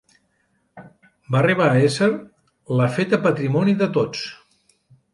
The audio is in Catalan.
Va arribar a ésser la feta patrimoni de tots.